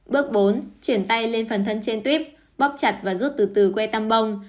bước bốn chuyển tay lên phần thân trên tuyếp bóp chặt và rút từ từ quê tăm bông